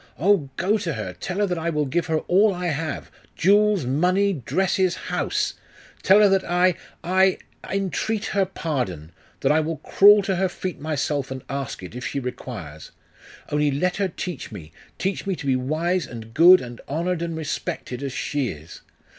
Oh, go to her! Tell her that I will give her all I have jewels, money, dresses, house! Tell her that I I entreat her pardon, that I will crawl to her feet myself and ask it, if she requires! Only let her teach me teach me to be wise and good, and honoured, and respected, as she is!